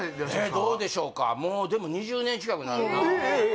どうでしょうかもうでも２０年近くなるえっ